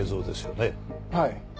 はい。